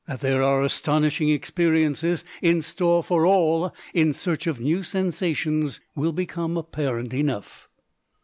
That there are astonishing experiences in store for all in search of new sensations will become apparent enough.